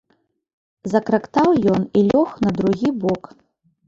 Закрактаў ён і лёг на другі бок.